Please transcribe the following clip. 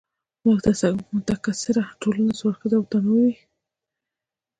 متکثره ټولنه څو اړخیزه او متنوع وي.